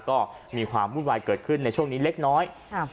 ก็มีความวุ่นวายเกิดขึ้นในช่วงนี้เล็กน้อย